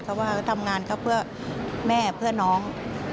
เพราะว่าเขาทำงานเขาเพื่อแม่เพื่อน้อง